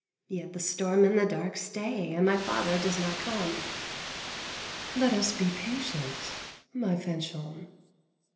Yet the storm and the dark stay, and my father does not come." " Let us be patient, my Fanchon."